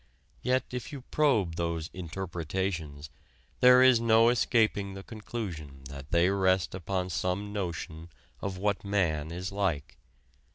Yet if you probe those "interpretations" there is no escaping the conclusion that they rest upon some notion of what man is like.